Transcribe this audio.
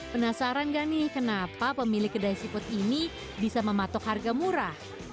penasaran gak nih kenapa pemilik kedai seafood ini bisa mematok harga murah